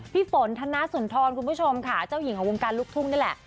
พี่ฝนธนสุนทรคุณผู้ชมค่ะเจ้าหญิงของวงการลูกทุ่งนี่แหละ